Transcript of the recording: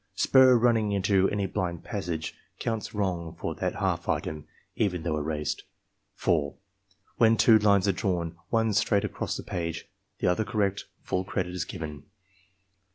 Spur running into any blind passage counts wrong for that half item, even though erased, 4. When two lines are drawn, one straight across the page, the other correct, full credit is given.